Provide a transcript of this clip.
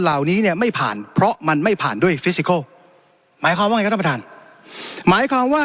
เหล่านี้เนี่ยไม่ผ่านเพราะมันไม่ผ่านด้วยหมายความว่า